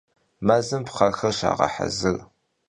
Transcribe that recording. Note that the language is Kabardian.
Mezım pxhexer şağehezır.